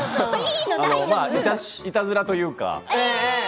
いたずらというか。